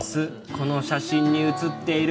「この写真に写っている」